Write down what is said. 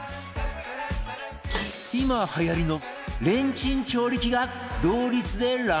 今はやりのレンチン調理器が同率でランクイン！